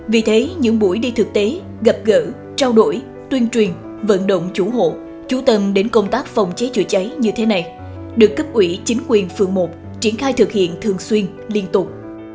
vì thế những buổi đi thực tế gặp gỡ trao đổi tuyên truyền vận động chủ hộ chú tâm đến công tác phòng cháy chữa cháy như thế này được cấp ủy chính quyền phường một triển khai thực hiện thường xuyên liên tục